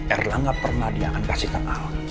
erlang nggak pernah dianggap sikap alam